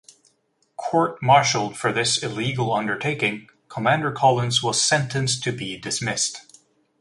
Court-martialled for this illegal undertaking, Commander Collins was sentenced to be dismissed.